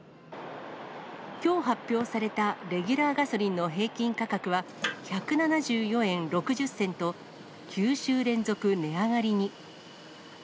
きょう発表されたレギュラーガソリンの平均価格は、１７４円６０銭と、９週連続値上がりに。